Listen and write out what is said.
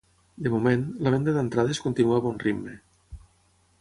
De moment, la venda d’entrades continua a bon ritme.